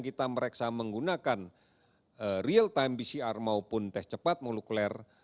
kita mereksa menggunakan real time pcr maupun tes cepat molekuler